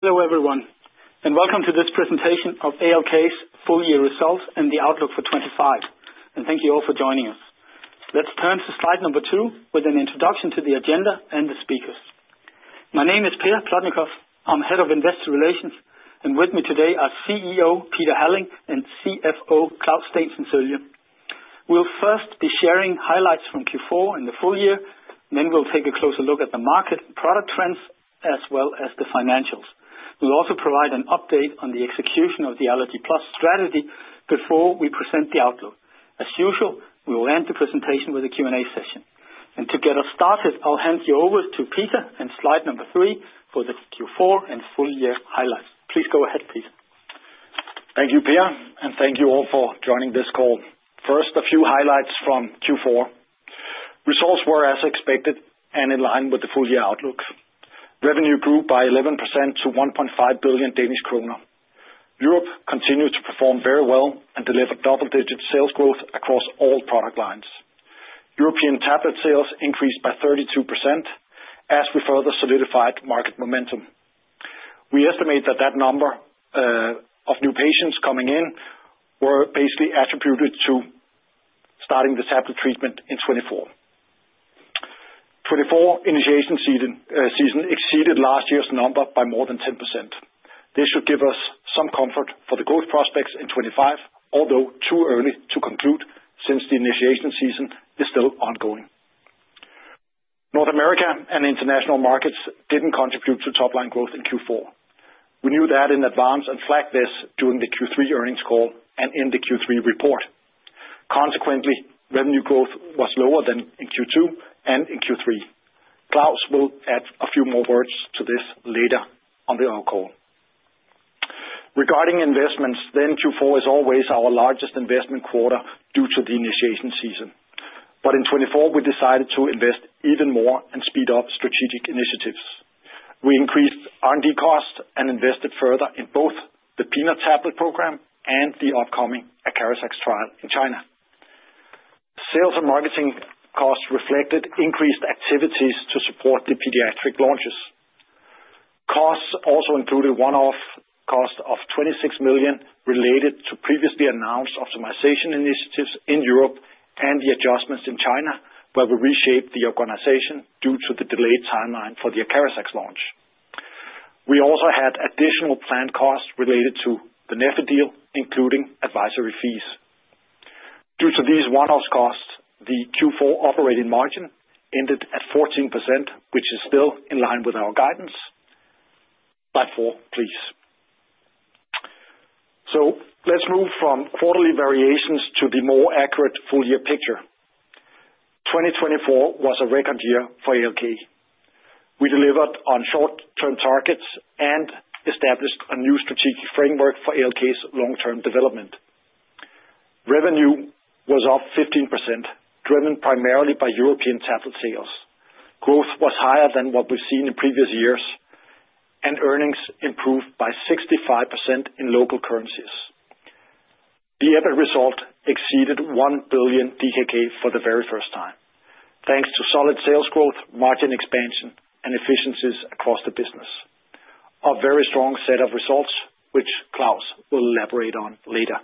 Hello everyone, and welcome to this Presentation of ALK's Full-Year Results and the Outlook for 2025. Thank you all for joining us. Let's turn to slide number two with an introduction to the agenda and the speakers. My name is Claus Sølje. I'm head of investor relations, and with me today are CEO Peter Halling and CFO Claus Steensen Sølje. We'll first be sharing highlights from Q4 and the full year, then we'll take a closer look at the market and product trends as well as the financials. We'll also provide an update on the execution of the ALK-Abelló Plus strategy before we present the outlook. As usual, we will end the presentation with a Q&A session. To get us started, I'll hand you over to Peter and slide number three for the Q4 and full-year highlights. Please go ahead, Peter. Thank you, Peter, and thank you all for joining this call. First, a few highlights from Q4. Results were as expected and in line with the full-year outlook. Revenue grew by 11% to 1.5 billion Danish kroner. Europe continued to perform very well and deliver double-digit sales growth across all product lines. European tablet sales increased by 32% as we further solidified market momentum. We estimate that that number of new patients coming in were basically attributed to starting the tablet treatment in 2024. 2024 initiation season exceeded last year's number by more than 10%. This should give us some comfort for the growth prospects in 2025, although too early to conclude since the initiation season is still ongoing. North America and international markets didn't contribute to top-line growth in Q4. We knew that in advance and flagged this during the Q3 earnings call and in the Q3 report. Consequently, revenue growth was lower than in Q2 and in Q3. Claus will add a few more words to this later on the call. Regarding investments, then Q4 is always our largest investment quarter due to the initiation season. But in 2024, we decided to invest even more and speed up strategic initiatives. We increased R&D costs and invested further in both the peanut tablet program and the upcoming ACARIZAX trial in China. Sales and marketing costs reflected increased activities to support the pediatric launches. Costs also included one-off cost of 26 million related to previously announced optimization initiatives in Europe and the adjustments in China where we reshaped the organization due to the delayed timeline for the ACARIZAX launch. We also had additional planned costs related to the Neffy deal, including advisory fees. Due to these one-off costs, the Q4 operating margin ended at 14%, which is still in line with our guidance. Slide four, please. So let's move from quarterly variations to the more accurate full-year picture. 2024 was a record year for ALK. We delivered on short-term targets and established a new strategic framework for ALK's long-term development. Revenue was up 15%, driven primarily by European tablet sales. Growth was higher than what we've seen in previous years, and earnings improved by 65% in local currencies. The EBIT result exceeded 1 billion DKK for the very first time, thanks to solid sales growth, margin expansion, and efficiencies across the business. A very strong set of results, which Claus will elaborate on later.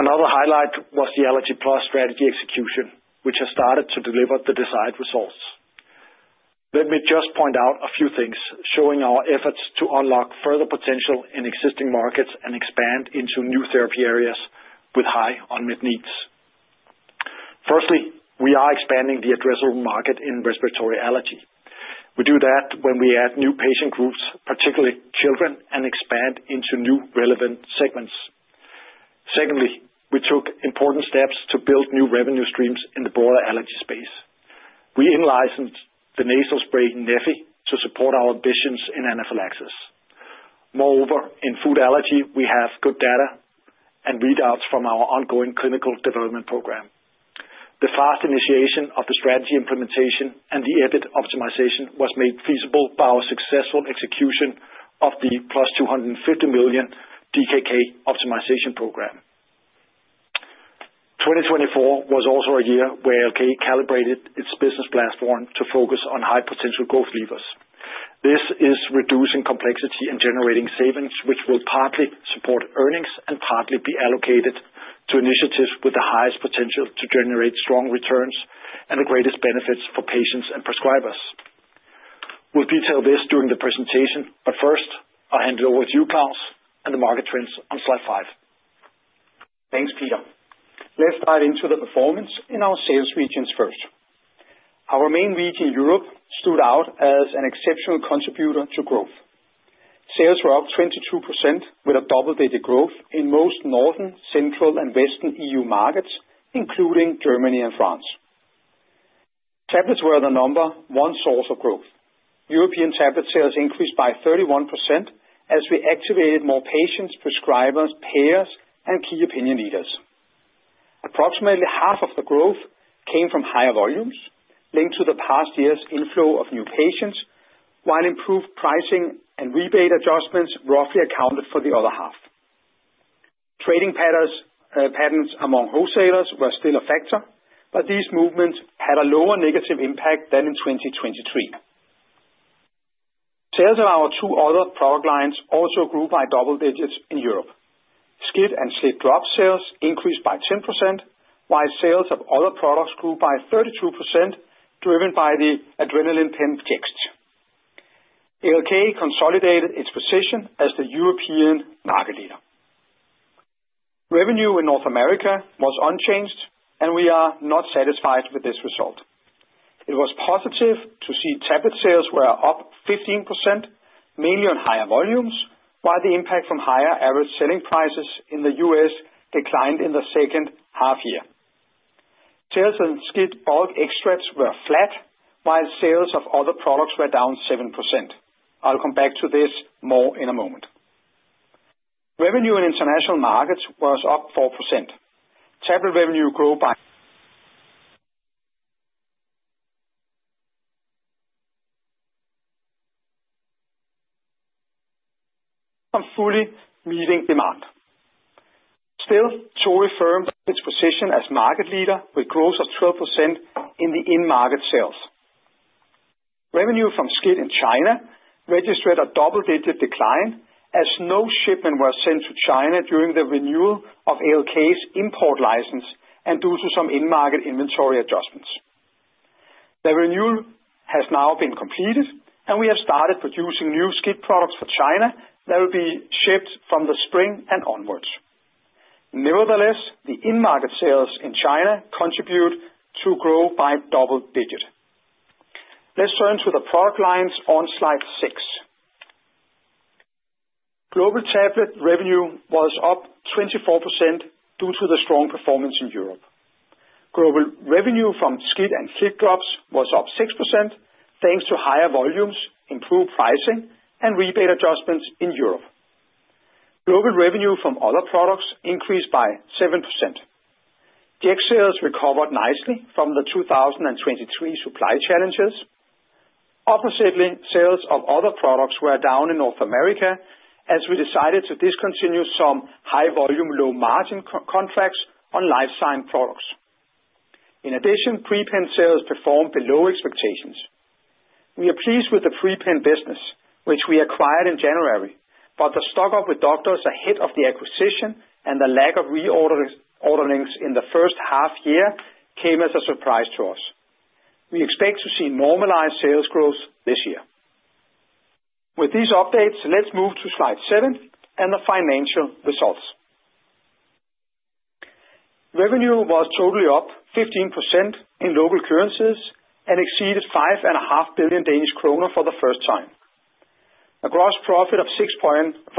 Another highlight was the ALK-Abelló Plus strategy execution, which has started to deliver the desired results. Let me just point out a few things showing our efforts to unlock further potential in existing markets and expand into new therapy areas with high unmet needs. Firstly, we are expanding the addressable market in respiratory allergy. We do that when we add new patient groups, particularly children, and expand into new relevant segments. Secondly, we took important steps to build new revenue streams in the broader allergy space. We in-licensed the nasal spray Neffy to support our ambitions in anaphylaxis. Moreover, in food allergy, we have good data and readouts from our ongoing clinical development program. The fast initiation of the strategy implementation and the EBIT optimization was made feasible by our successful execution of the +250 million DKK optimization program. 2024 was also a year where ALK calibrated its business platform to focus on high potential growth levers. This is reducing complexity and generating savings, which will partly support earnings and partly be allocated to initiatives with the highest potential to generate strong returns and the greatest benefits for patients and prescribers. We'll detail this during the presentation, but first, I'll hand it over to you, Claus, and the market trends on slide five. Thanks, Peter. Let's dive into the performance in our sales regions first. Our main region, Europe, stood out as an exceptional contributor to growth. Sales were up 22% with a double-digit growth in most northern, central, and western EU markets, including Germany and France. Tablets were the number one source of growth. European tablet sales increased by 31% as we activated more patients, prescribers, payers, and key opinion leaders. Approximately half of the growth came from higher volumes linked to the past year's inflow of new patients, while improved pricing and rebate adjustments roughly accounted for the other half. Trading patterns among wholesalers were still a factor, but these movements had a lower negative impact than in 2023. Sales of our two other product lines also grew by double digits in Europe. SCIT and SLIT-drops sales increased by 10%, while sales of other products grew by 32%, driven by the adrenaline pen projects. ALK consolidated its position as the European market leader. Revenue in North America was unchanged, and we are not satisfied with this result. It was positive to see tablet sales were up 15%, mainly on higher volumes, while the impact from higher average selling prices in the U.S. declined in the second half year. Sales and SCIT bulk extracts were flat, while sales of other products were down 7%. I'll come back to this more in a moment. Revenue in international markets was up 4%. Tablet revenue grew by fully meeting demand. Still, Torii affirmed its position as market leader with growth of 12% in the in-market sales. Revenue from SCIT in China registered a double-digit decline as no shipment was sent to China during the renewal of ALK's import license and due to some in-market inventory adjustments. The renewal has now been completed, and we have started producing new SCIT products for China that will be shipped from the spring and onwards. Nevertheless, the in-market sales in China contribute to growth by double-digit. Let's turn to the product lines on slide six. Global tablet revenue was up 24% due to the strong performance in Europe. Global revenue from SCIT and SLIT-drops was up 6% thanks to higher volumes, improved pricing, and rebate adjustments in Europe. Global revenue from other products increased by 7%. Jext sales recovered nicely from the 2023 supply challenges. Overall sales of other products were down in North America as we decided to discontinue some high-volume, low-margin contracts on lifesaving products. In addition, Pre-Pen sales performed below expectations. We are pleased with the Pre-Pen business, which we acquired in January, but the stock-up with doctors ahead of the acquisition and the lack of reorderings in the first half year came as a surprise to us. We expect to see normalized sales growth this year. With these updates, let's move to slide seven and the financial results. Revenue was totally up 15% in local currencies and exceeded 5.5 billion Danish kroner for the first time. A gross profit of 3.6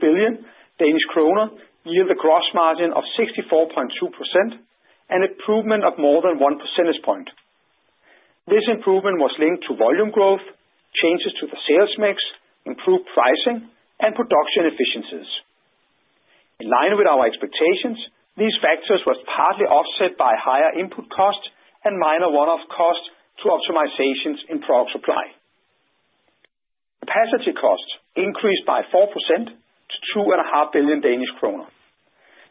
billion Danish kroner yielded a gross margin of 64.2% and improvement of more than 1 percentage point. This improvement was linked to volume growth, changes to the sales mix, improved pricing, and production efficiencies. In line with our expectations, these factors were partly offset by higher input costs and minor one-off costs to optimizations in product supply. Capacity costs increased by 4% to 2.5 billion Danish kroner.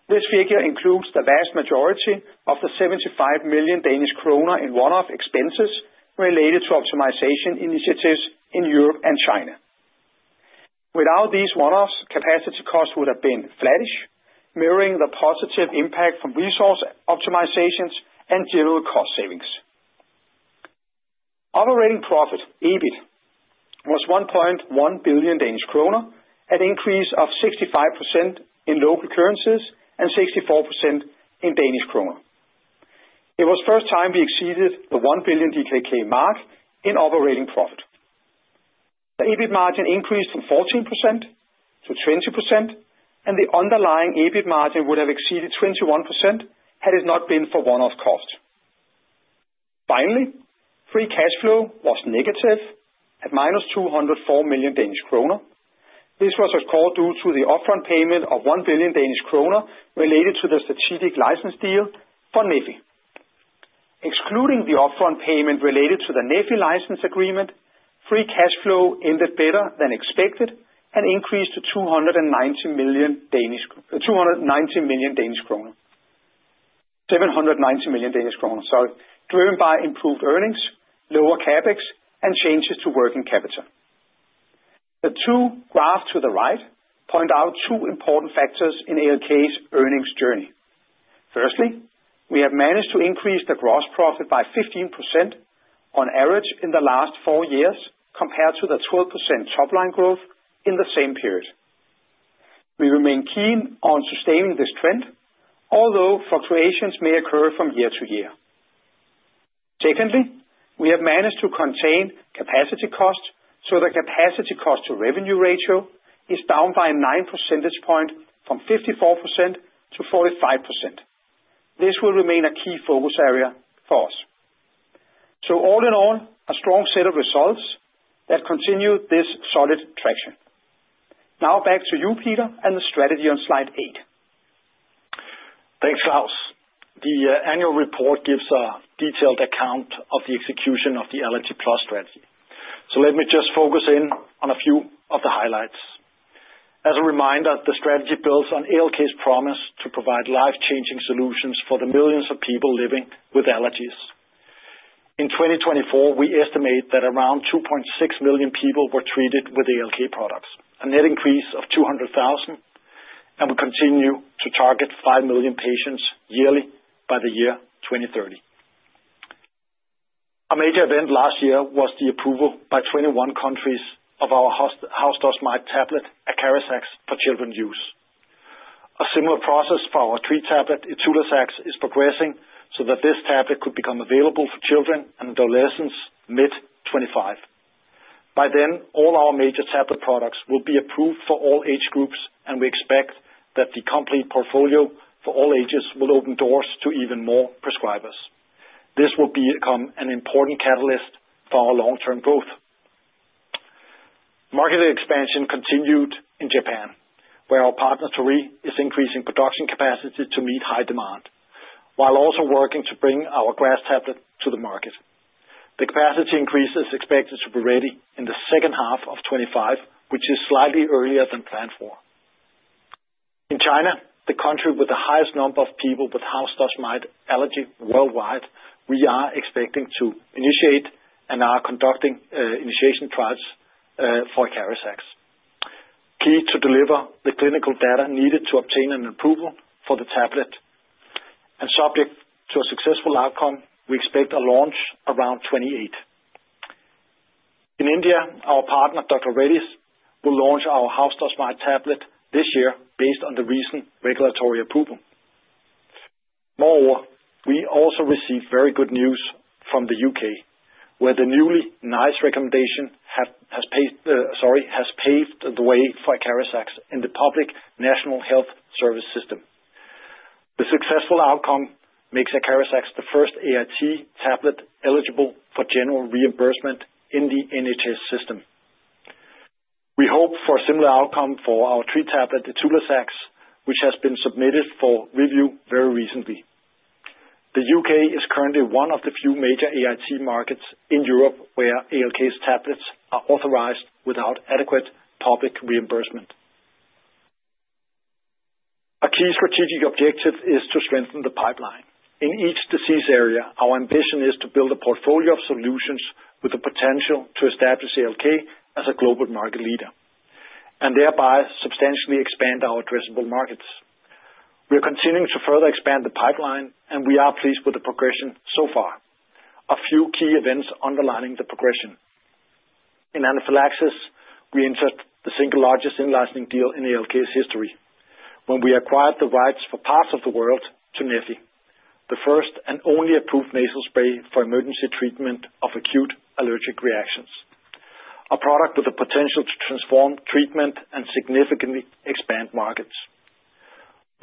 This figure includes the vast majority of the 75 million Danish kroner in one-off expenses related to optimization initiatives in Europe and China. Without these one-offs, capacity costs would have been flattish, mirroring the positive impact from resource optimizations and general cost savings. Operating profit, EBIT, was 1.1 billion Danish kroner, an increase of 65% in local currencies and 64% in Danish kroner. It was the first time we exceeded the 1 billion DKK mark in operating profit. The EBIT margin increased from 14% to 20%, and the underlying EBIT margin would have exceeded 21% had it not been for one-off costs. Finally, free cash flow was negative at minus 204 million Danish kroner. This was a call due to the upfront payment of 1 billion Danish kroner related to the strategic license deal for Neffy. Excluding the upfront payment related to the Neffy license agreement, free cash flow ended better than expected and increased to 290 million Danish kroner. 790 million Danish kroner, sorry, driven by improved earnings, lower CapEx, and changes to working capital. The two graphs to the right point out two important factors in ALK's earnings journey. Firstly, we have managed to increase the gross profit by 15% on average in the last four years compared to the 12% top-line growth in the same period. We remain keen on sustaining this trend, although fluctuations may occur from year to year. Secondly, we have managed to contain capacity costs so the capacity cost-to-revenue ratio is down by 9 percentage points from 54% to 45%. This will remain a key focus area for us. So all in all, a strong set of results that continue this solid traction. Now back to you, Peter, and the strategy on slide eight. Thanks, Claus. The annual report gives a detailed account of the execution of the ALK-Abelló Plotnikof strategy. So let me just focus in on a few of the highlights. As a reminder, the strategy builds on ALK's promise to provide life-changing solutions for the millions of people living with allergies. In 2024, we estimate that around 2.6 million people were treated with ALK products, a net increase of 200,000, and we continue to target 5 million patients yearly by the year 2030. A major event last year was the approval by 21 countries of our house dust mite tablet, ACARIZAX, for children's use. A similar process for our tree tablet, ITULAZAX, is progressing so that this tablet could become available for children and adolescents mid-2025. By then, all our major tablet products will be approved for all age groups, and we expect that the complete portfolio for all ages will open doors to even more prescribers. This will become an important catalyst for our long-term growth. Market expansion continued in Japan, where our partner, Torii, is increasing production capacity to meet high demand, while also working to bring our grass tablet to the market. The capacity increase is expected to be ready in the second half of 2025, which is slightly earlier than planned for. In China, the country with the highest number of people with house dust mite allergy worldwide, we are expecting to initiate and are conducting Phase 1 trials for ACARIZAX. Key to deliver the clinical data needed to obtain an approval for the tablet and subject to a successful outcome, we expect a launch around 2028. In India, our partner, Dr. Reddy's will launch our house dust mite tablet this year based on the recent regulatory approval. Moreover, we also received very good news from the UK, where the newly NICE recommendation has paved the way for ACARIZAX in the public national health service system. The successful outcome makes ACARIZAX the first AIT tablet eligible for general reimbursement in the NHS system. We hope for a similar outcome for our tree tablet, ITULAZAX, which has been submitted for review very recently. The UK is currently one of the few major AIT markets in Europe where ALK's tablets are authorized without adequate public reimbursement. A key strategic objective is to strengthen the pipeline. In each disease area, our ambition is to build a portfolio of solutions with the potential to establish ALK as a global market leader and thereby substantially expand our addressable markets. We are continuing to further expand the pipeline, and we are pleased with the progression so far. A few key events underlining the progression. In anaphylaxis, we entered the single largest in-licensing deal in ALK's history when we acquired the rights for parts of the world to Neffy, the first and only approved nasal spray for emergency treatment of acute allergic reactions. A product with the potential to transform treatment and significantly expand markets.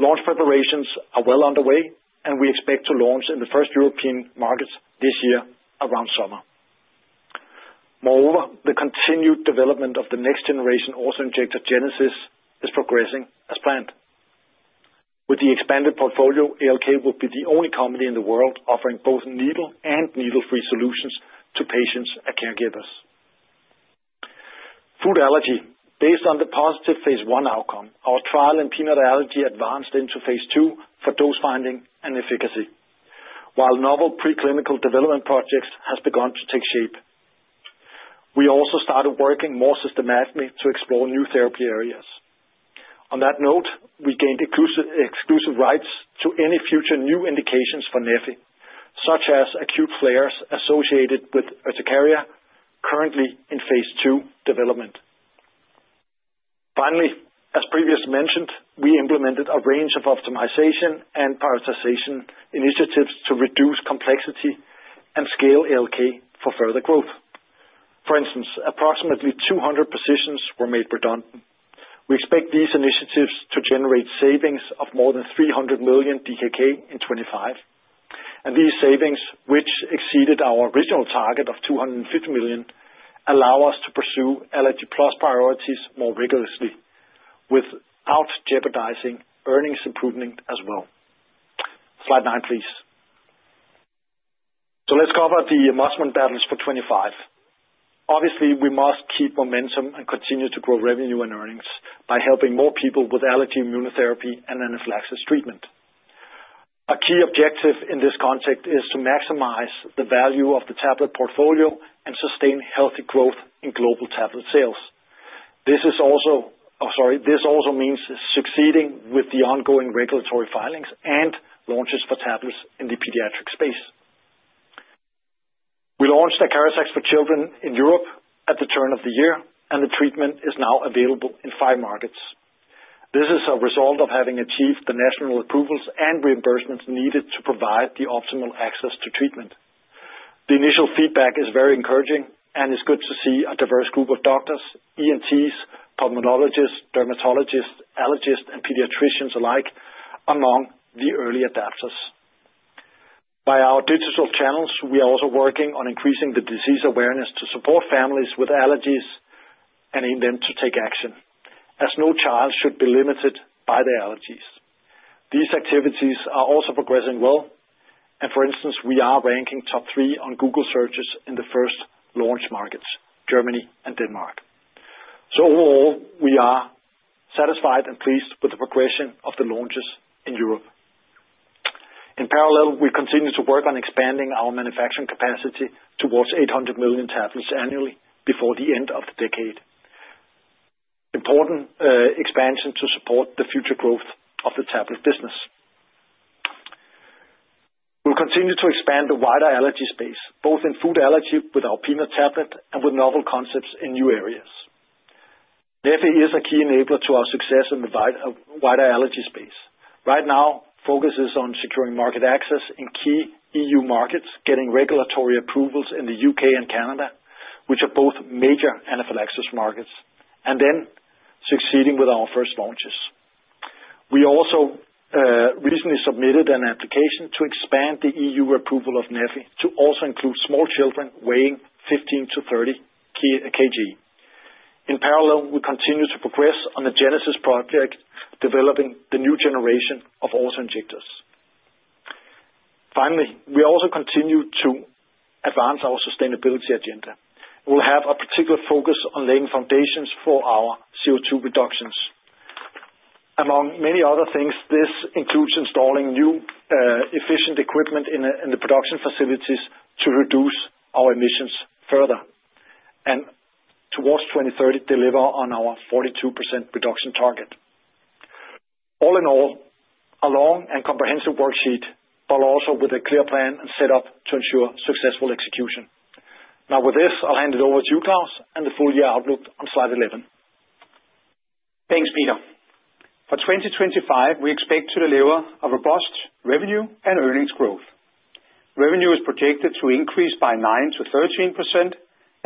Launch preparations are well underway, and we expect to launch in the first European markets this year around summer. Moreover, the continued development of the next generation autoinjector Genesis is progressing as planned. With the expanded portfolio, ALK would be the only company in the world offering both needle and needle-free solutions to patients and caregivers. Food allergy. Based on the positive phase one outcome, our trial in peanut allergy advanced into phase two for dose finding and efficacy, while novel preclinical development projects have begun to take shape. We also started working more systematically to explore new therapy areas. On that note, we gained exclusive rights to any future new indications for Neffy, such as acute flares associated with urticaria currently in phase two development. Finally, as previously mentioned, we implemented a range of optimization and prioritization initiatives to reduce complexity and scale ALK for further growth. For instance, approximately 200 positions were made redundant. We expect these initiatives to generate savings of more than 300 million DKK in 2025. And these savings, which exceeded our original target of 250 million, allow us to pursue ALK-Abelló priorities more rigorously without jeopardizing earnings improvement as well. Slide nine, please. So let's cover the must-win battles for 2025. Obviously, we must keep momentum and continue to grow revenue and earnings by helping more people with allergy immunotherapy and anaphylaxis treatment. A key objective in this context is to maximize the value of the tablet portfolio and sustain healthy growth in global tablet sales. This is also, sorry, this also means succeeding with the ongoing regulatory filings and launches for tablets in the pediatric space. We launched ACARIZAX for children in Europe at the turn of the year, and the treatment is now available in five markets. This is a result of having achieved the national approvals and reimbursements needed to provide the optimal access to treatment. The initial feedback is very encouraging, and it's good to see a diverse group of doctors, ENTs, pulmonologists, dermatologists, allergists, and pediatricians alike among the early adopters. By our digital channels, we are also working on increasing the disease awareness to support families with allergies and aim them to take action, as no child should be limited by their allergies. These activities are also progressing well, and for instance, we are ranking top three on Google searches in the first launch markets, Germany and Denmark. So overall, we are satisfied and pleased with the progression of the launches in Europe. In parallel, we continue to work on expanding our manufacturing capacity towards 800 million tablets annually before the end of the decade. Important expansion to support the future growth of the tablet business. We'll continue to expand the wider allergy space, both in food allergy with our peanut tablet and with novel concepts in new areas. Neffy is a key enabler to our success in the wider allergy space. Right now, focus is on securing market access in key EU markets, getting regulatory approvals in the UK and Canada, which are both major anaphylaxis markets, and then succeeding with our first launches. We also recently submitted an application to expand the EU approval of Neffy to also include small children weighing 15 to 30 kg. In parallel, we continue to progress on the Genesis project, developing the new generation of autoinjectors. Finally, we also continue to advance our sustainability agenda. We'll have a particular focus on laying foundations for our CO2 reductions. Among many other things, this includes installing new efficient equipment in the production facilities to reduce our emissions further and towards 2030 deliver on our 42% reduction target. All in all, a long and comprehensive worksheet, but also with a clear plan and setup to ensure successful execution. Now with this, I'll hand it over to you, Claus, and the full year outlook on slide 11. Thanks, Peter. For 2025, we expect to deliver a robust revenue and earnings growth. Revenue is projected to increase by 9% to 13%,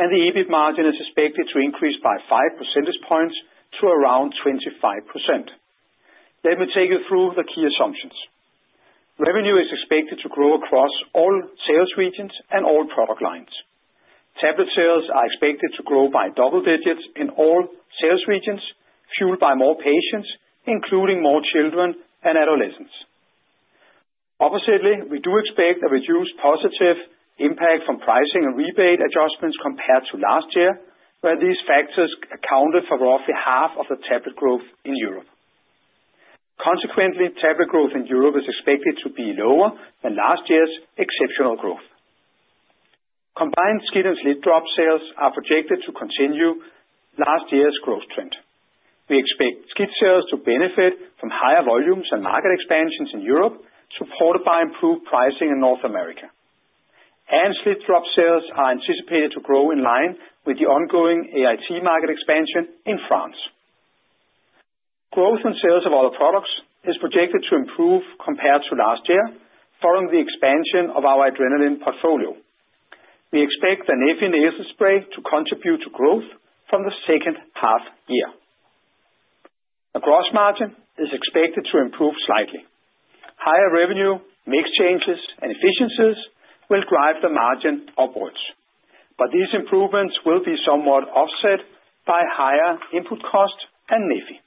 and the EBIT margin is expected to increase by 5 percentage points to around 25%. Let me take you through the key assumptions. Revenue is expected to grow across all sales regions and all product lines. Tablet sales are expected to grow by double digits in all sales regions, fueled by more patients, including more children and adolescents. Oppositely, we do expect a reduced positive impact from pricing and rebate adjustments compared to last year, where these factors accounted for roughly half of the tablet growth in Europe. Consequently, tablet growth in Europe is expected to be lower than last year's exceptional growth. Combined SCIT and SLIT-drops sales are projected to continue last year's growth trend. We expect SCIT sales to benefit from higher volumes and market expansions in Europe, supported by improved pricing in North America. And SLIT-drops sales are anticipated to grow in line with the ongoing AIT market expansion in France. Growth in sales of other products is projected to improve compared to last year following the expansion of our adrenaline portfolio. We expect the Neffy nasal spray to contribute to growth from the second half year. The gross margin is expected to improve slightly. Higher revenue, mixed changes, and efficiencies will drive the margin upwards. But these improvements will be somewhat offset by higher input cost and Neffy.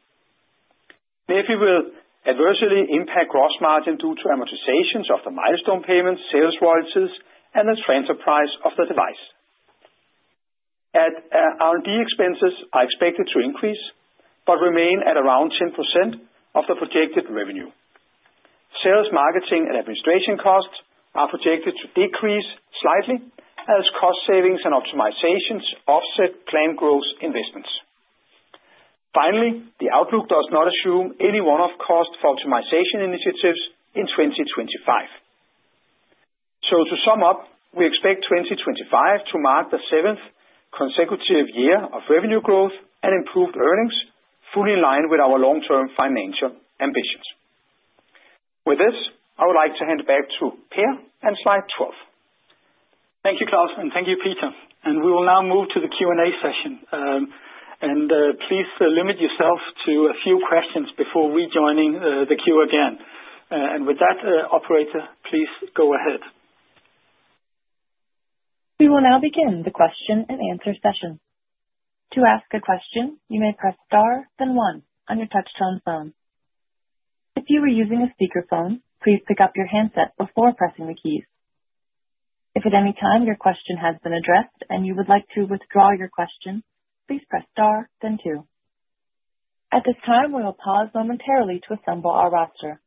Neffy will adversely impact gross margin due to amortizations of the milestone payments, sales royalties, and the transfer price of the device. R&D expenses are expected to increase but remain at around 10% of the projected revenue. Sales marketing and administration costs are projected to decrease slightly as cost savings and optimizations offset planned growth investments. Finally, the outlook does not assume any one-off cost for optimization initiatives in 2025. To sum up, we expect 2025 to mark the seventh consecutive year of revenue growth and improved earnings, fully in line with our long-term financial ambitions. With this, I would like to hand it back to Peter and slide 12. Thank you, Claus, and thank you, Peter. We will now move to the Q&A session. Please limit yourself to a few questions before rejoining the queue again. With that, Operator, please go ahead. We will now begin the question and answer session. To ask a question, you may press star, then one, on your touch-tone phone. If you are using a speakerphone, please pick up your handset before pressing the keys. If at any time your question has been addressed and you would like to withdraw your question, please press star, then two. At this time, we will pause momentarily to assemble our roster.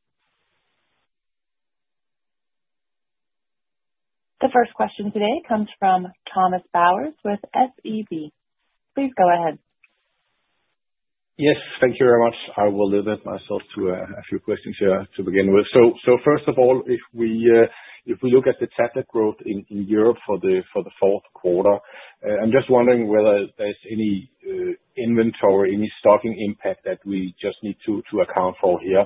The first question today comes from Thomas Bowers with SEB. Please go ahead. Yes, thank you very much. I will limit myself to a few questions here to begin with. So first of all, if we look at the tablet growth in Europe for the fourth quarter, I'm just wondering whether there's any inventory, any stocking impact that we just need to account for here.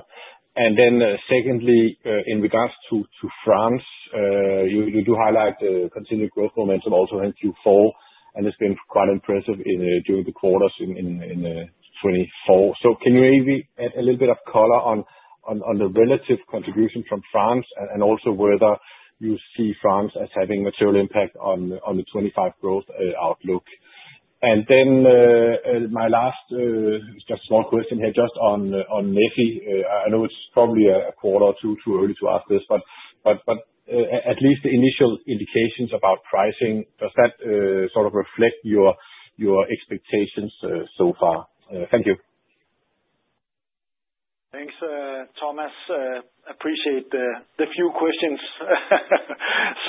And then secondly, in regards to France, you do highlight the continued growth momentum also in Q4, and it's been quite impressive during the quarters in 2024. So can you maybe add a little bit of color on the relative contribution from France and also whether you see France as having material impact on the 2025 growth outlook? And then my last just small question here just on Neffy. I know it's probably a quarter or two too early to ask this, but at least the initial indications about pricing, does that sort of reflect your expectations so far? Thank you. Thanks, Thomas. Appreciate the few questions.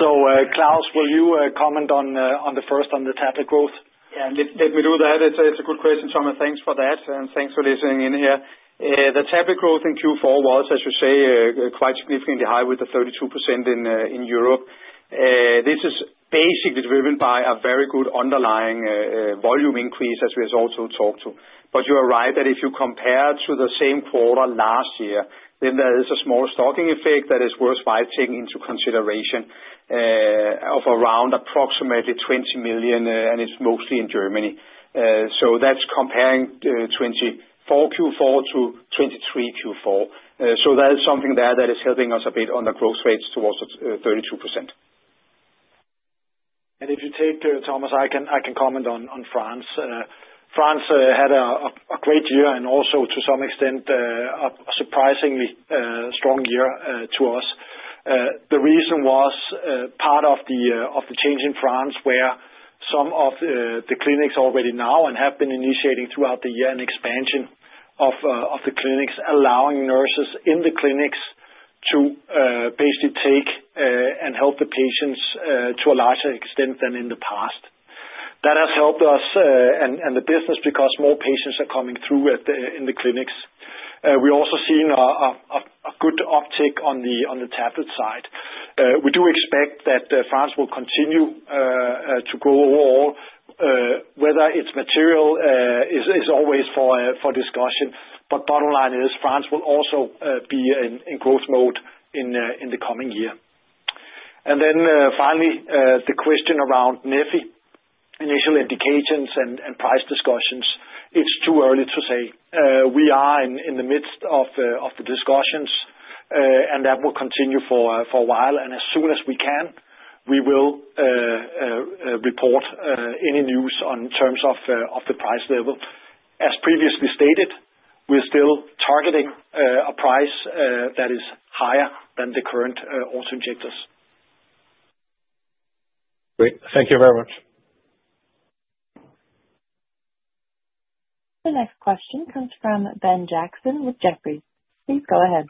So Claus, will you comment on the first on the tablet growth? Yeah, let me do that. It's a good question, Thomas. Thanks for that, and thanks for listening in here. The tablet growth in Q4 was, as you say, quite significantly high with the 32% in Europe. This is basically driven by a very good underlying volume increase, as we also talked to. But you're right that if you compare to the same quarter last year, then there is a small stocking effect that is worth taking into consideration of around approximately 20 million, and it's mostly in Germany. So that's comparing 2024 Q4 to 2023 Q4. So there is something there that is helping us a bit on the growth rates towards the 32%. And if you take, Thomas, I can comment on France. France had a great year and also, to some extent, a surprisingly strong year to us. The reason was part of the change in France where some of the clinics already now and have been initiating throughout the year an expansion of the clinics, allowing nurses in the clinics to basically take and help the patients to a larger extent than in the past. That has helped us and the business because more patients are coming through in the clinics. We're also seeing a good uptick on the tablet side. We do expect that France will continue to grow overall. Whether it's material is always for discussion, but bottom line is France will also be in growth mode in the coming year. And then finally, the question around Neffy, initial indications and price discussions, it's too early to say. We are in the midst of the discussions, and that will continue for a while. And as soon as we can, we will report any news on terms of the price level. As previously stated, we're still targeting a price that is higher than the current auto injectors. Great. Thank you very much. The next question comes from Ben Jackson with Jefferies. Please go ahead.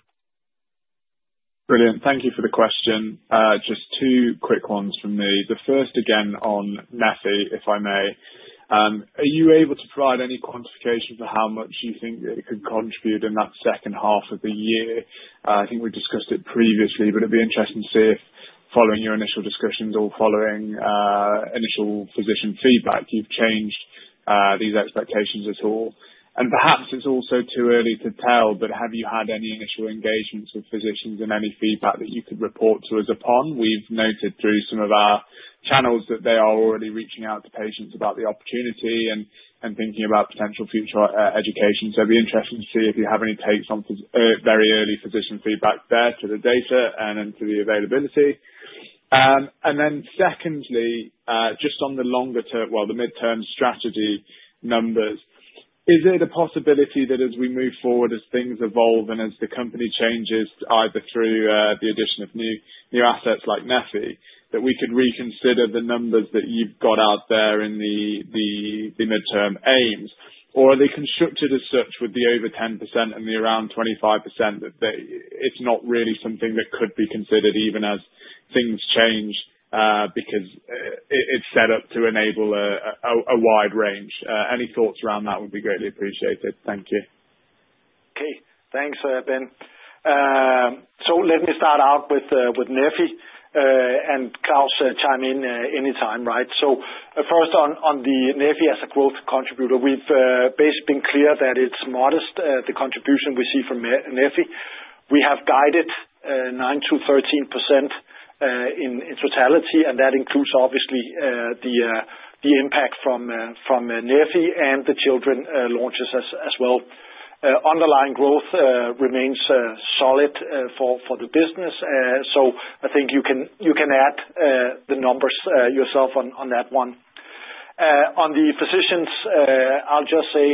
Brilliant. Thank you for the question. Just two quick ones from me. The first, again, on Neffy, if I may. Are you able to provide any quantification for how much you think it could contribute in that second half of the year? I think we discussed it previously, but it'd be interesting to see if, following your initial discussions or following initial physician feedback, you've changed these expectations at all, and perhaps it's also too early to tell, but have you had any initial engagements with physicians and any feedback that you could report to us upon? We've noted through some of our channels that they are already reaching out to patients about the opportunity and thinking about potential future education, so it'd be interesting to see if you have any takes on very early physician feedback there to the data and to the availability. And then secondly, just on the longer-term, well, the midterm strategy numbers, is it a possibility that as we move forward, as things evolve and as the company changes, either through the addition of new assets like Neffy, that we could reconsider the numbers that you've got out there in the midterm aims? Or are they constructed as such with the over 10% and the around 25% that it's not really something that could be considered even as things change because it's set up to enable a wide range? Any thoughts around that would be greatly appreciated. Thank you. Okay. Thanks, Ben. So let me start out with Neffy, and Claus can chime in anytime, right? So first, on the Neffy as a growth contributor, we've basically been clear that it's modest, the contribution we see from Neffy. We have guided 9%-13% in totality, and that includes obviously the impact from Neffy and the children launches as well. Underlying growth remains solid for the business. So I think you can add the numbers yourself on that one. On the physicians, I'll just say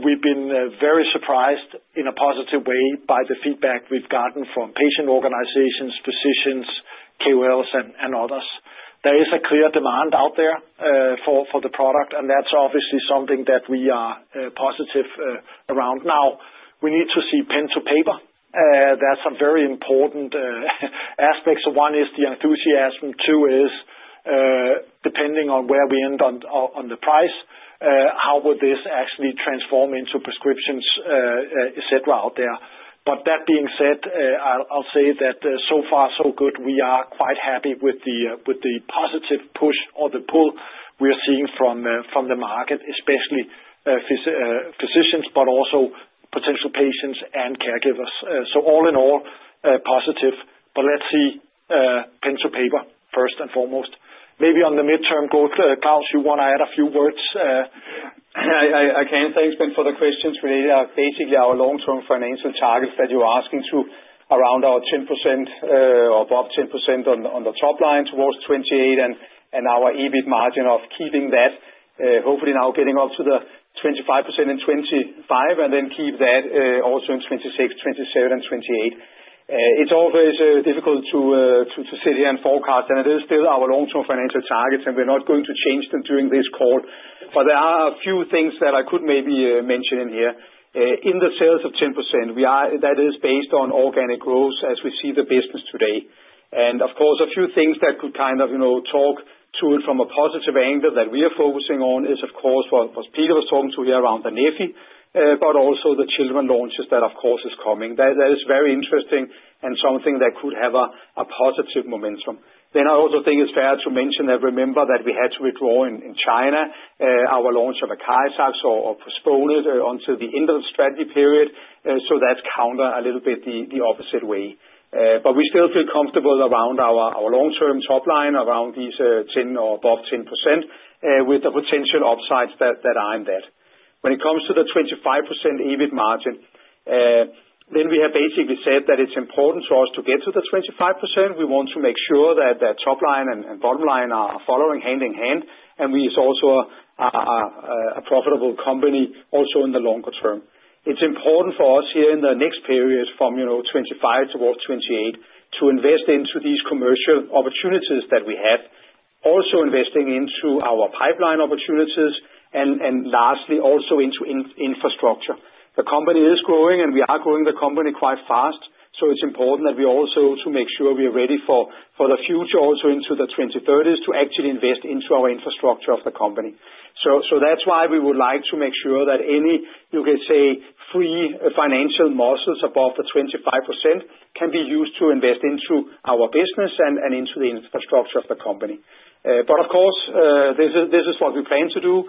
we've been very surprised in a positive way by the feedback we've gotten from patient organizations, physicians, KOLs, and others. There is a clear demand out there for the product, and that's obviously something that we are positive around. Now, we need to see pen to paper. That's a very important aspect. So one is the enthusiasm. Two is, depending on where we end on the price, how would this actually transform into prescriptions, etc., out there? But that being said, I'll say that so far, so good. We are quite happy with the positive push or the pull we are seeing from the market, especially physicians, but also potential patients and caregivers. So all in all, positive, but let's see pen to paper first and foremost. Maybe on the midterm growth, Claus, you want to add a few words? I can. Thanks, Ben, for the questions related. Basically, our long-term financial targets that you're asking to around our 10% or above 10% on the top line towards 2028 and our EBIT margin of keeping that hopefully now getting up to the 25% in 2025 and then keep that also in 2026, 2027, and 2028. It's always difficult to sit here and forecast, and it is still our long-term financial targets, and we're not going to change them during this call. But there are a few things that I could maybe mention in here. In the sales of 10%, that is based on organic growth as we see the business today. Of course, a few things that could kind of talk to it from a positive angle that we are focusing on is, of course, what Peter was talking to here around the Neffy, but also the children launches that, of course, is coming. That is very interesting and something that could have a positive momentum. I also think it's fair to mention that, remember, that we had to withdraw in China, our launch of ACARIZAX or postpone it until the end of the strategy period. That's counter a little bit the opposite way. We still feel comfortable around our long-term top line, around these 10% or above 10%, with the potential upsides that are in that. When it comes to the 25% EBIT margin, then we have basically said that it's important for us to get to the 25%. We want to make sure that that top line and bottom line are following hand in hand, and we are also a profitable company also in the longer term. It's important for us here in the next period from 2025 towards 2028 to invest into these commercial opportunities that we have, also investing into our pipeline opportunities, and lastly, also into infrastructure. The company is growing, and we are growing the company quite fast, so it's important that we also make sure we are ready for the future, also into the 2030s, to actually invest into our infrastructure of the company. So that's why we would like to make sure that any, you could say, free financial muscles above the 25% can be used to invest into our business and into the infrastructure of the company. But of course, this is what we plan to do.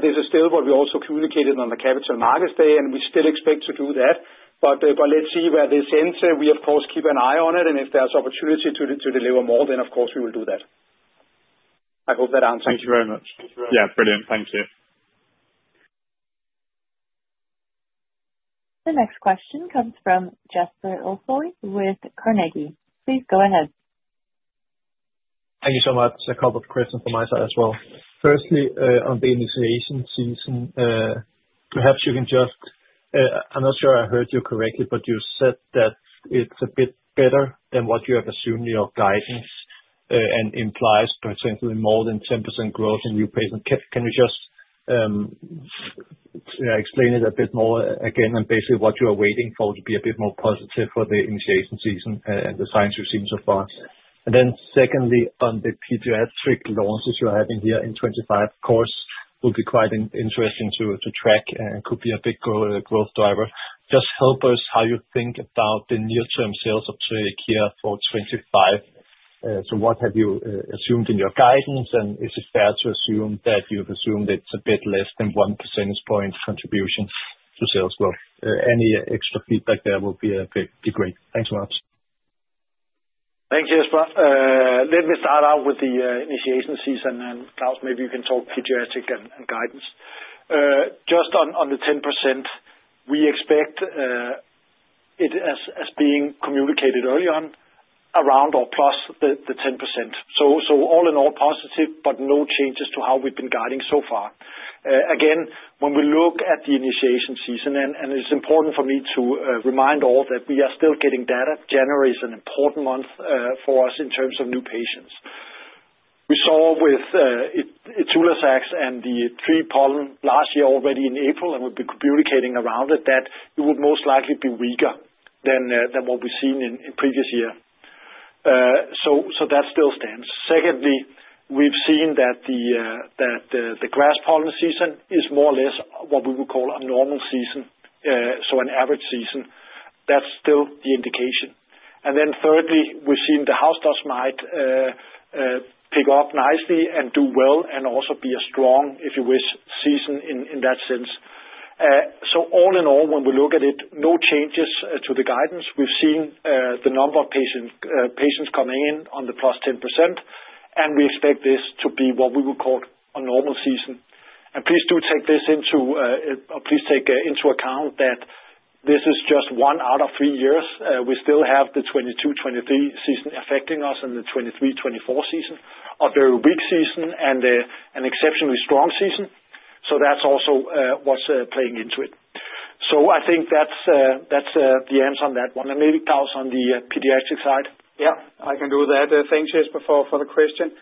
This is still what we also communicated on the Capital Markets Day, and we still expect to do that. But let's see where this ends. We, of course, keep an eye on it, and if there's opportunity to deliver more, then, of course, we will do that. I hope that answers. Thank you very much. Yeah, brilliant. Thank you. The next question comes from Jesper Ilsøe with Carnegie. Please go ahead. Thank you so much. A couple of questions from my side as well. Firstly, on the initiation season, perhaps you can just. I'm not sure I heard you correctly, but you said that it's a bit better than what you have assumed, your guidance implies, potentially more than 10% growth in new patients. Can you just explain it a bit more again and basically what you are waiting for to be a bit more positive for the initiation season and the signs you've seen so far? Then secondly, on the pediatric launches you're having here in 2025, of course, will be quite interesting to track and could be a big growth driver. Just help us how you think about the near-term sales of SCIT here for 2025. So what have you assumed in your guidance, and is it fair to assume that you've assumed it's a bit less than 1 percentage point contribution to sales growth? Any extra feedback there would be great. Thanks so much. Thank you, Jesper. Let me start out with the initiation season, and Claus, maybe you can talk pediatric and guidance. Just on the 10%, we expect it as being communicated early on around or plus the 10%. So all in all, positive, but no changes to how we've been guiding so far. Again, when we look at the initiation season, and it's important for me to remind all that we are still getting data. January is an important month for us in terms of new patients. We saw with ITULAZAX and the tree pollen last year already in April, and we've been communicating around it that it would most likely be weaker than what we've seen in previous year. So that still stands. Secondly, we've seen that the grass pollen season is more or less what we would call a normal season, so an average season. That's still the indication. Then thirdly, we've seen the house dust mite pick up nicely and do well and also be a strong, if you wish, season in that sense. All in all, when we look at it, no changes to the guidance. We've seen the number of patients coming in on the +10%, and we expect this to be what we would call a normal season. Please take into account that this is just one out of three years. We still have the 2022, 2023 season affecting us and the 2023, 2024 season are very weak seasons and an exceptionally strong season. That's also what's playing into it. I think that's the answer on that one. And maybe, Claus, on the pediatric side? Yeah, I can do that. Thanks, Jesper, for the question.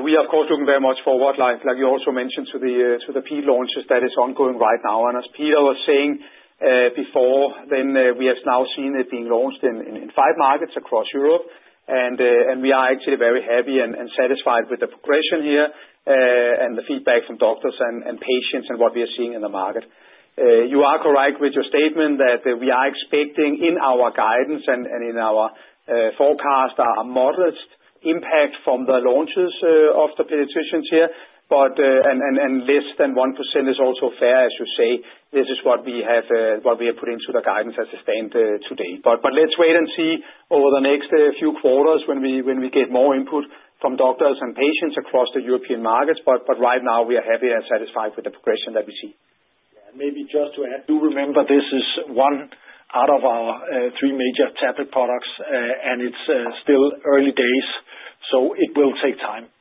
We are, of course, looking very much forward, like you also mentioned, to the peak launches that is ongoing right now. And as Peter was saying before, then we have now seen it being launched in five markets across Europe, and we are actually very happy and satisfied with the progression here and the feedback from doctors and patients and what we are seeing in the market. You are correct with your statement that we are expecting in our guidance and in our forecast a modest impact from the launches of the pediatrics here, and less than 1% is also fair, as you say. This is what we have put into the guidance as it stands today. But let's wait and see over the next few quarters when we get more input from doctors and patients across the European markets. But right now, we are happy and satisfied with the progression that we see. Yeah. And maybe just to add, do remember this is one out of our three major tablet products, and it's still early days, so it will take time.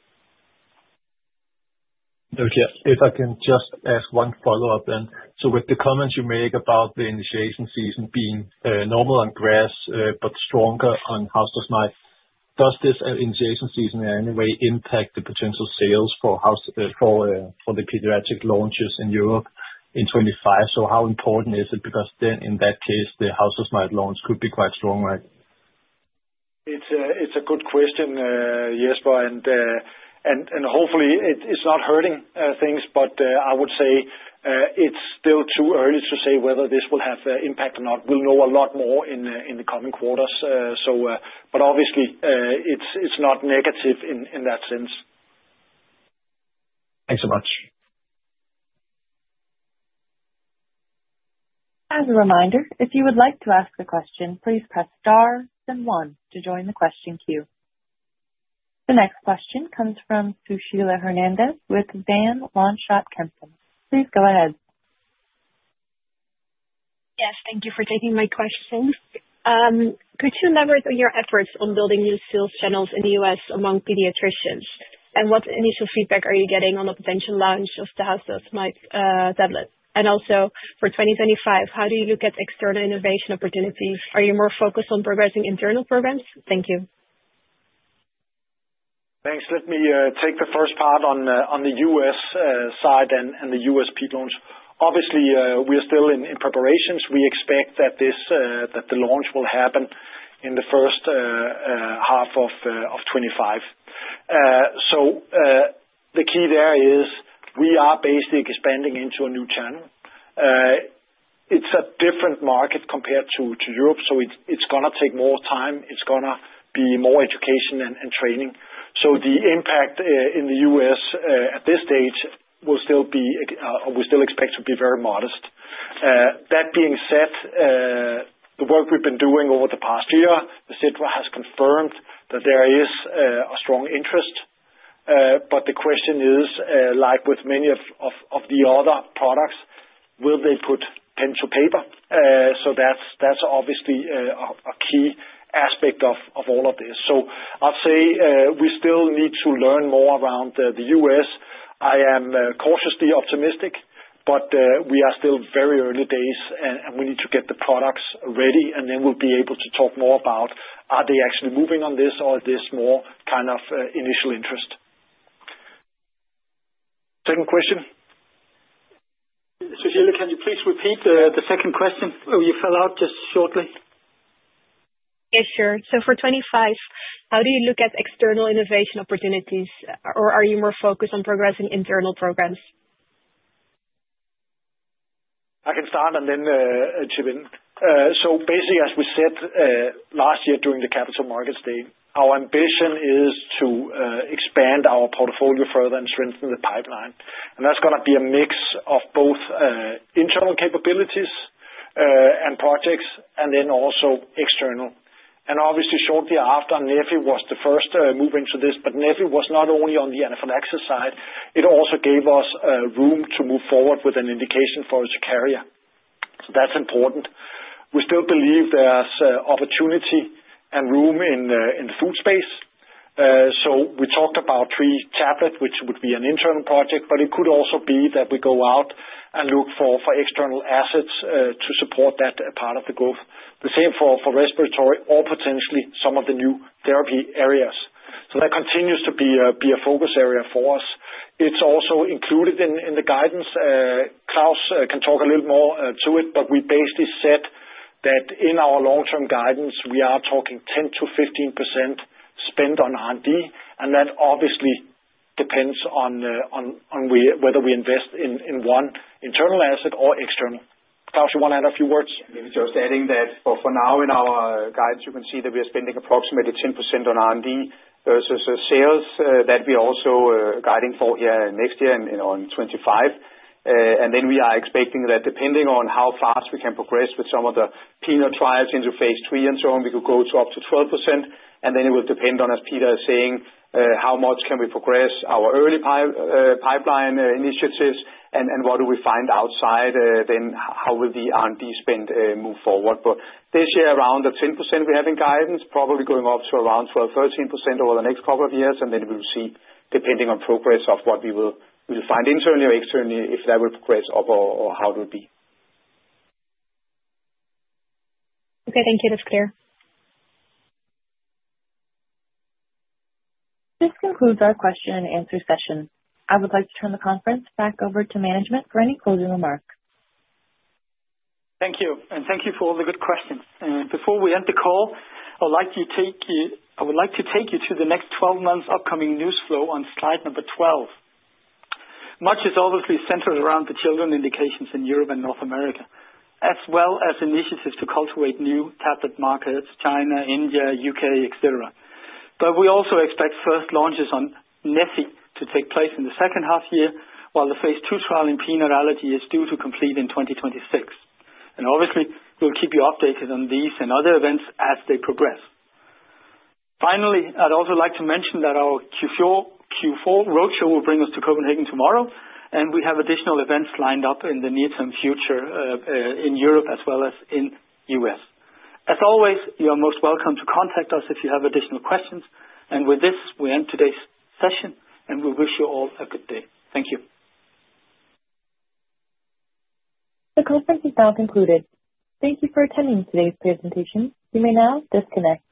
Okay. If I can just ask one follow-up then. So with the comments you make about the initiation season being normal on grass but stronger on house dust mite, does this initiation season in any way impact the potential sales for the pediatric launches in Europe in 2025? So how important is it? Because then, in that case, the house dust mite launch could be quite strong, right?. It's a good question, Jesper, and hopefully, it's not hurting things, but I would say it's still too early to say whether this will have impact or not. We'll know a lot more in the coming quarters. But obviously, it's not negative in that sense. Thanks so much. As a reminder, if you would like to ask a question, please press star then one to join the question queue. The next question comes from Sushila Hernandez with Van Lanschot Kempen. Please go ahead. Yes. Thank you for taking my question. Could you elaborate on your efforts on building new sales channels in the U.S. among pediatricians? And what initial feedback are you getting on the potential launch of the house dust mite tablet? And also, for 2025, how do you look at external innovation opportunities? Are you more focused on progressing internal programs? Thank you. Thanks. Let me take the first part on the U.S. side and the U.S. peak launch. Obviously, we are still in preparations. We expect that the launch will happen in the first half of 2025. So the key there is we are basically expanding into a new channel. It's a different market compared to Europe, so it's going to take more time. It's going to be more education and training. So the impact in the U.S. at this stage will still be we still expect to be very modest. That being said, the work we've been doing over the past year, et cetera, has confirmed that there is a strong interest. But the question is, like with many of the other products, will they put pen to paper? So that's obviously a key aspect of all of this. So I'll say we still need to learn more around the U.S.I am cautiously optimistic, but we are still very early days, and we need to get the products ready, and then we'll be able to talk more about are they actually moving on this or is this more kind of initial interest? Second question. Sushila, can you please repeat the second question? You fell out just shortly. Yes, sure. So for 2025, how do you look at external innovation opportunities, or are you more focused on progressing internal programs?. I can start and then chip in. So basically, as we said last year during the Capital Markets Day, our ambition is to expand our portfolio further and strengthen the pipeline. And that's going to be a mix of both internal capabilities and projects and then also external. And obviously, shortly after, Neffy was the first moving to this, but Neffy was not only on the anaphylaxis side. It also gave us room to move forward with an indication for it to carry. So that's important. We still believe there's opportunity and room in the food space. So we talked about tree tablet, which would be an internal project, but it could also be that we go out and look for external assets to support that part of the growth. The same for respiratory or potentially some of the new therapy areas. So that continues to be a focus area for us. It's also included in the guidance. Claus can talk a little more to it, but we basically said that in our long-term guidance, we are talking 10%-15% spend on R&D, and that obviously depends on whether we invest in one internal asset or external. Claus, you want to add a few words? Maybe just adding that for now, in our guidance, you can see that we are spending approximately 10% on R&D versus sales that we are also guiding for here next year in 2025. We are expecting that depending on how fast we can progress with some of the peanut trials into phase three and so on, we could go up to 12%. It will depend on, as Peter is saying, how much we can progress our early pipeline initiatives and what we find outside, then how will the R&D spend move forward? This year, around the 10% we have in guidance, probably going up to around 12-13% over the next couple of years, and then we will see depending on progress of what we will find internally or externally if that will progress up or how it will be. Okay.Thank you, Jesper. This concludes our question and answer session. I would like to turn the conference back over to management for any closing remarks. Thank you. Thank you for all the good questions. Before we end the call, I'd like to take you to the next 12 months' upcoming news flow on slide number 12. Much is obviously centered around the children indications in Europe and North America, as well as initiatives to cultivate new tablet markets, China, India, UK, etc. But we also expect first launches on Neffy to take place in the second half year, while the phase two trial in peanut allergy is due to complete in 2026. Obviously, we'll keep you updated on these and other events as they progress. Finally, I'd also like to mention that our Q4 roadshow will bring us to Copenhagen tomorrow, and we have additional events lined up in the near-term future in Europe as well as in the U.S. As always, you are most welcome to contact us if you have additional questions. And with this, we end today's session, and we wish you all a good day. Thank you. The conference is now concluded. Thank you for attending today's presentation. You may now disconnect.